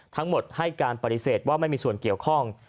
ทั้งหมดให้การปฏิเสธว่าไม่มีส่วนเกี่ยวข้อง